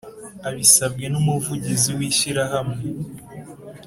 Abisabwe n’ umuvugizi w’ ishyirahamwe